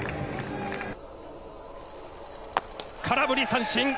空振り三振。